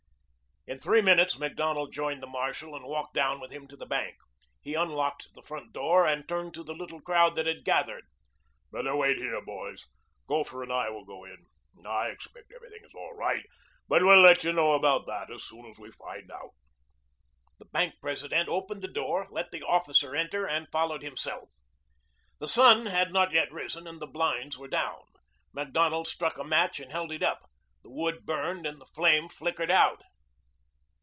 In three minutes Macdonald joined the marshal and walked down with him to the bank. He unlocked the front door and turned to the little crowd that had gathered. "Better wait here, boys. Gopher and I will go in. I expect everything is all right, but we'll let you know about that as soon as we find out." The bank president opened the door, let the officer enter, and followed himself. The sun had not yet risen and the blinds were down. Macdonald struck a match and held it up. The wood burned and the flame flickered out.